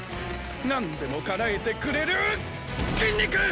なんでもかなえてくれる筋肉！